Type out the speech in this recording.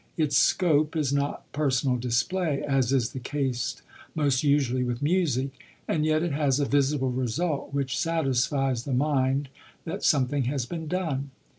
Its scope is not personal display, as is the case most usually witli music, and yet it has a visible result which satisfies the mind that something has been done.